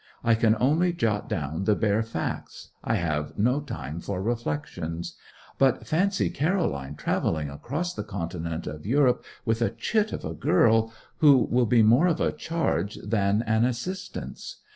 I can only jot down the bare facts I have no time for reflections. But fancy Caroline travelling across the continent of Europe with a chit of a girl, who will be more of a charge than an assistance!